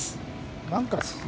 なんか。